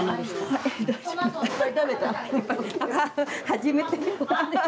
初めて。